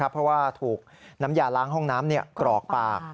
เพราะว่าถูกน้ำยาล้างห้องน้ำกรอกปาก